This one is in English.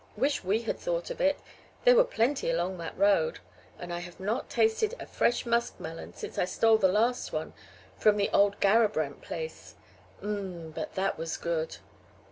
Wish we had thought of it: there were plenty along that road, and I have not tasted a fresh muskmelon since I stole the last one from the old Garrabrant place. Ummm! but that was good!"